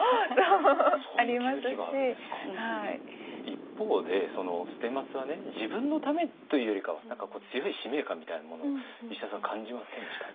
一方で捨松は自分のためというよりかは何か強い使命感みたいなものを石田さん感じませんでした？